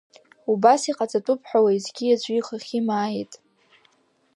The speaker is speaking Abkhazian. Убас иҟаҵатәуп ҳәа уеизгьы аӡәы ихахьы имааит.